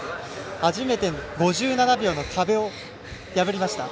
初めて５７秒の壁を破りました。